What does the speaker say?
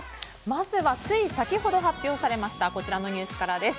まずはつい先ほど発表されましたこちらのニュースからです。